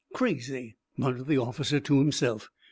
"Crazy!" muttered the officer to himself.